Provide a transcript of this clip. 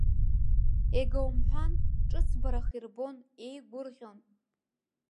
Иага умҳәан ҿыцбарах ирбон, еигәырӷьон.